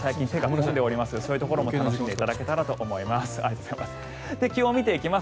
そういうところも楽しんでいただけたらと思います。